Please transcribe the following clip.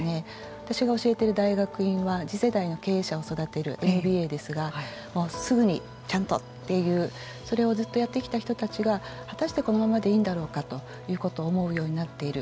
私が教えてる大学院は次世代の経営者を育てるＭＢＡですがすぐにちゃんとというそれをずっとやってきた人たちが果たして、このままでいいんだろうかということを思うようになっている。